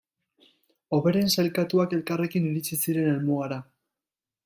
Hoberen sailkatuak elkarrekin iritsi ziren helmugara.